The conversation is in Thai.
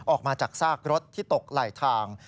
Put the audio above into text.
ออกมาจากซากรถที่ตกไหลทาง